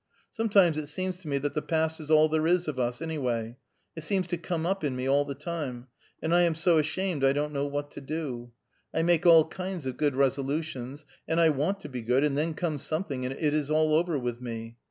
Sometimes it seems to me that the past is all there is of us, anyway. It seems to come up in me, all the time, and I am so ashamed I don't know what to do. I make all kinds of good resolutions, and I want to be good, and then comes something and it is all over with me.